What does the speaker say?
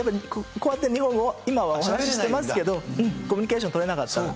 こうやって日本語、今お話してますけど、コミュニケーション取れなかったんで。